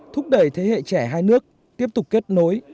thúc đẩy thế hệ trẻ hai nước tiếp tục kết nối